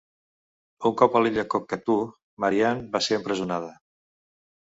Un cop a l'illa Cockatoo, Mary Ann va ser empresonada.